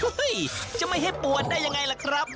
จะไม่ให้ปวดได้ยังไงล่ะครับ